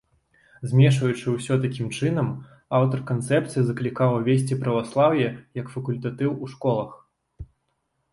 Змешваючы ўсё такім чынам, аўтар канцэпцыі заклікаў увесці праваслаўе як факультатыў у школах.